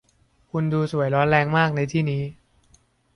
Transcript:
คุณดูสวยร้อนแรงมากในที่นี้